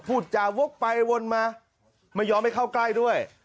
พูดจาวกไปวนมาไม่ยอมให้เข้าใกล้ด้วย